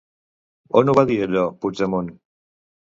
On ho va dir, allò, Puigdemont?